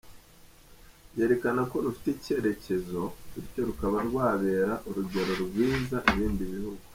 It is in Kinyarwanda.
Byerekana ko rufite icyerekezo bityo rukaba rwabera urugero rwiza ibindi bihugu.